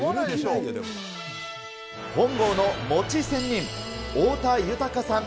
本郷の餅仙人、太田泰さん